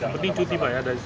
penting cuti ya